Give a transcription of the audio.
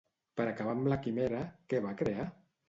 Per acabar amb la Químera, què va crear?